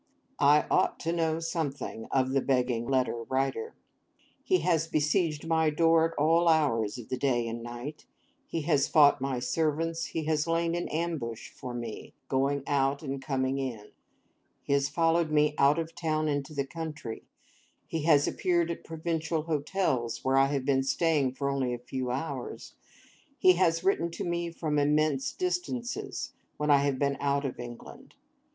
I ought to know something of the Begging Letter Writer. He has besieged my door at all hours of the day and night; he has fought my servant; he has lain in ambush for me, going out and coming in; he has followed me out of town into the country; he has appeared at provincial hotels, where I have been staying for only a few hours; he has written to me from immense distances, when I have been out of England.